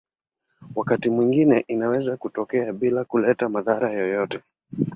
Wakati mwingine inaweza kutokea bila kuleta madhara yoyote.